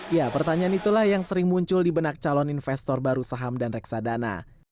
ya pertanyaan itulah yang sering muncul di benak calon investor baru saham dan reksadana